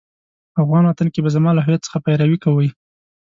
په افغان وطن کې به زما له هويت څخه پيروي کوئ.